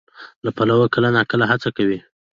له پلوه کله ناکله هڅه کوي،